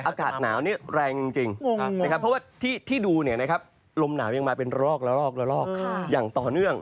อากาศหนาวนี่แรงจริงจริงนะครับเพราะว่าที่ดูเนี่ยลมหนาวยังมาเป็นรอกอย่างต่อเนื่อง